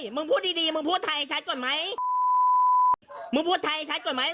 มึงพูดดีดีมึงพูดไทยชัดก่อนไหมมึงพูดไทยชัดก่อนไหม